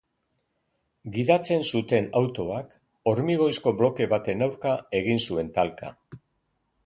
Gidatzen zuten autoak hormigoizko bloke baten aurka egin zuen talka.